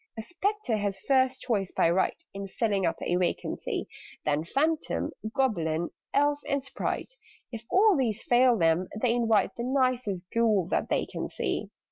"A Spectre has first choice, by right, In filling up a vacancy; Then Phantom, Goblin, Elf, and Sprite If all these fail them, they invite The nicest Ghoul that they can see.